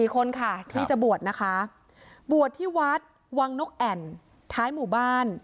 ๔คนค่ะที่จะบวชนะคะบวชที่วัดวังนกแอ่นท้ายหมู่บ้าน